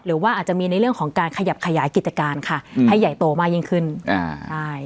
หรือว่าอาจจะมีในเรื่องของการขยับขยายกิจการค่ะให้ใหญ่โตมากยิ่งขึ้นอ่าใช่